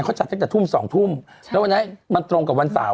เขาจัดตั้งแต่ทุ่มสองทุ่มแล้ววันนั้นมันตรงกับวันเสาร์